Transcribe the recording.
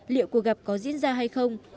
liệu cuộc gặp có diễn ra hay không